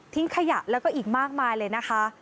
ขยะแล้วก็อีกมากมายเลยนะคะ